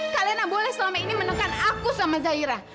kak lena boleh selama ini menekan aku sama zaira